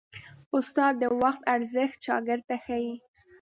استاد د وخت ارزښت شاګرد ته ښيي.